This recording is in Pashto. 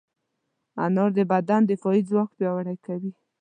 انار د بدن دفاعي ځواک پیاوړی کوي.